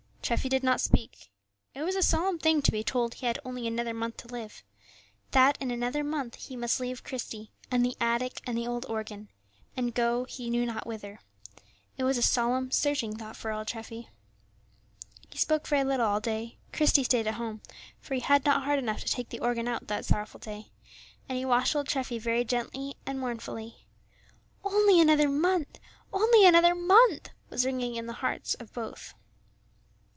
Treffy did not speak; it was a solemn thing to be told he had only another month to live; that in another month he must leave Christie, and the attic, and the old organ, and go he knew not whither. It was a solemn, searching thought for old Treffy. He spoke very little all day. Christie stayed at home, for he had not heart enough to take the organ out that sorrowful day; and he watched old Treffy very gently and mournfully. Only another month! only another month! was ringing in the ears of both.